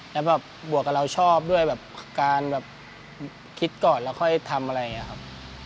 แล้วแบบบวกกับเราชอบด้วยแบบการแบบคิดก่อนแล้วค่อยทำอะไรอย่างนี้ครับ